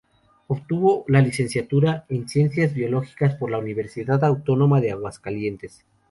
Obtuvo la licenciatura en ciencias biológicas por la Universidad Autónoma de Aguascalientes.